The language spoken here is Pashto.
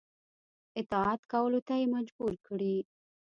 اطاعت کولو ته یې مجبور کړي.